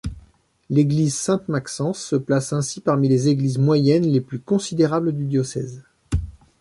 L'église Sainte-Maxence se place ainsi parmi les églises moyennes les plus considérables du diocèse.